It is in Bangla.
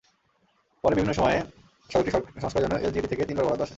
পরে বিভিন্ন সময়ে সড়কটি সংস্কারের জন্য এলজিইডি থেকে তিনবার বরাদ্দ আসে।